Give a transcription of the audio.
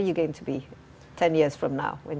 ketika kita berumur dua puluh tahun